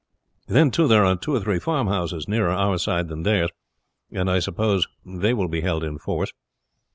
Then, too, there are two or three farmhouses nearer our side than theirs, and I suppose they will be held in force.